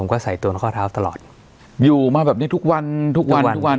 ก็ใส่ตัวในข้อเท้าตลอดอยู่มาแบบนี้ทุกวันทุกวันทุกวันทุกวันทุกวัน